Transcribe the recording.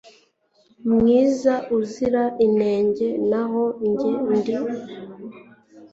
mwiza uzira inenge, naho njye ndi